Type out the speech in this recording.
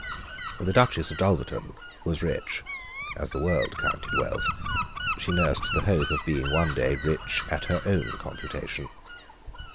The Duchess of Dulverton was rich, as the world counted wealth; she nursed the hope, of being one day rich at her own computation.